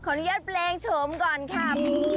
อนุญาตแปลงโฉมก่อนครับ